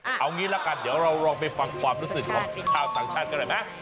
เอาอย่างนี้ละกันเดี๋ยวเราลองไปฟังความรู้สึกของข้าวสังชาติก็ได้ไหม